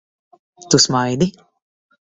Tu smaidi?